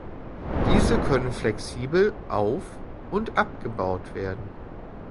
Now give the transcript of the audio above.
Diese können flexibel auf- und abgebaut werden.